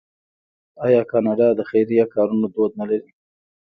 آیا کاناډا د خیریه کارونو دود نلري؟